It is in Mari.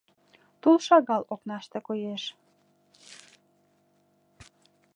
Тул шагал окнаште коеш.